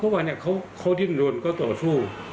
เพราะว่าเขาดิ้นรนต่อสู้